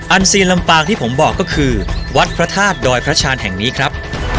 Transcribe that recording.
ซีนลำปางที่ผมบอกก็คือวัดพระธาตุดอยพระชาญแห่งนี้ครับ